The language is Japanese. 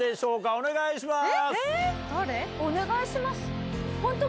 お願いします？